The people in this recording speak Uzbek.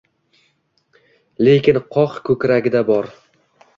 Lekin qoq ko‘kragida bor.